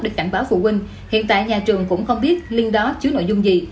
để cảnh báo phụ huynh hiện tại nhà trường cũng không biết link đó chứa nội dung gì